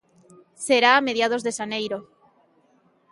Será a mediados de xaneiro.